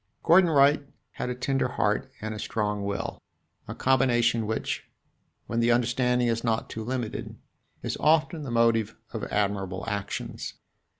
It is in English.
Gordon Wright had a tender heart and a strong will a combination which, when the understanding is not too limited, is often the motive of admirable actions.